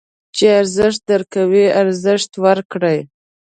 چې ارزښت درکوي، ارزښت ورکړئ.